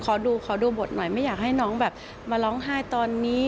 ขอดูบทหน่อยไม่อยากให้น้องแบบมาร้องไห้ตอนนี้